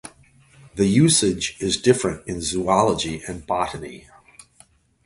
The usage is different in zoology and botany.